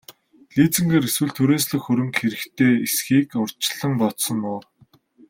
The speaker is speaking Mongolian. Лизингээр эсвэл түрээслэх хөрөнгө хэрэгтэй эсэхийг урьдчилан бодсон уу?